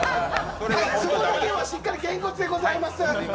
そこだけはしっかりゲンコツでございます。